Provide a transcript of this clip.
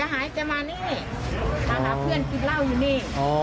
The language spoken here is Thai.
หายจะมานี่มาหาเพื่อนกินเหล้าอยู่นี่